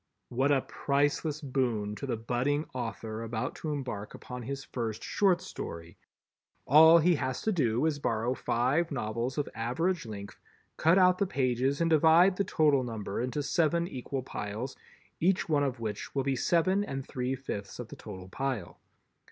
What a priceless boon to the budding author about to embark upon his first short story! All he has to do is to borrow five novels of average length, cut out the pages and divide the total number into seven equal piles, each one of which will be seven and three fifths of the total pile.